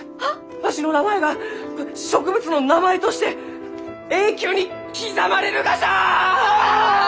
わしの名前が植物の名前として永久に刻まれるがじゃ！